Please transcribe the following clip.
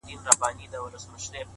وځم له كوره له اولاده شپې نه كوم~